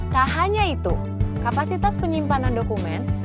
tak hanya itu kapasitas penyimpanan dokumen